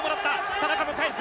田中も返す」。